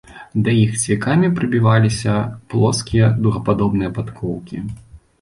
Да іх цвікамі прыбіваліся плоскія дугападобныя падкоўкі.